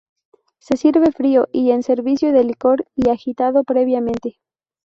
Se sirve frío y en servicio de licor, y agitado previamente.